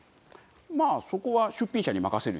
まあそこは出品者に任せるよ。